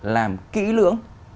làm kỹ lưỡng